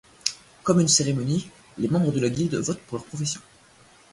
Comme une cérémonie, les membres de la guilde votent pour leurs professions.